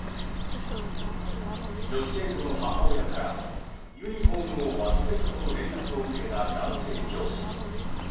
女子生徒の母親からユニホームを忘れたとの連絡を受けた男性教師。